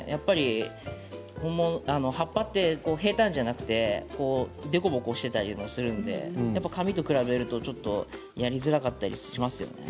葉っぱって平たんじゃなくて凸凹してたりもするので紙と比べるとやりづらかったりしますよね。